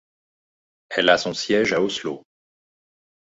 Elle a son siège à Oslo.